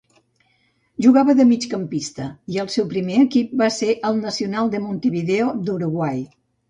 Jugava de migcampista i el seu primer equip va ser el Nacional de Montevideo d'Uruguai.